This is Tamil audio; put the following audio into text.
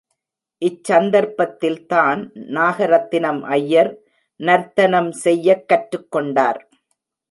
இச் சந்தர்ப்பத்தில்தான் நாகரத்தினம் ஐயர் நர்த்தனம் செய்யக் கற்றுக்கொண்டார்.